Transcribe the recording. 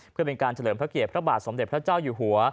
เพื่อเป็นการเฉลิมพระเกียรติพระบาทสมเด็จพระเจ้าอยู่หัว